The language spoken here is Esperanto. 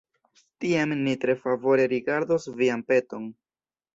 Tiam ni tre favore rigardos vian peton.